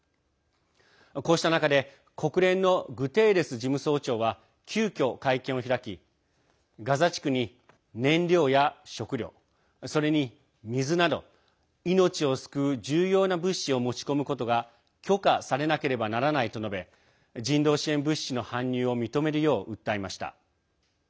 こうした中で国連のグテーレス事務総長は急きょ、会見を開きガザ地区に燃料や食料それに水など、命を救う重要な物資を持ち込むことが許可されなければならないと述べ人道支援物資の搬入を認めるよう訴えました。